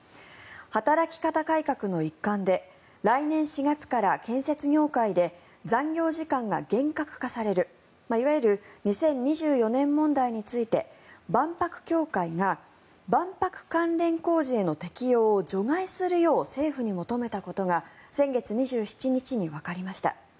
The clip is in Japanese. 働き方改革の一環で来年４月から建設業界で残業時間が厳格化されるいわゆる２０２４年問題について万博協会が万博関連工事への適用を除外するよう政府に求めたことが先月２７日にわかりました。